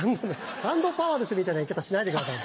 「ハンドパワーです」みたいな言い方しないでください。